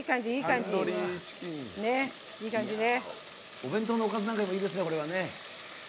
お弁当のおかずなんかにもいいですね。